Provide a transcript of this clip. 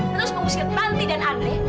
terus memusik nanti dan andre